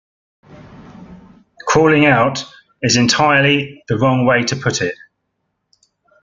'Crawling out' is entirely the wrong way to put it.